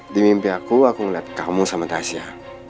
di mimpi aku aku ngeliat kamu sama tasya